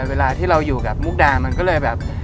เวลาที่เราอยู่กับมุกดามันก็เลยแบบ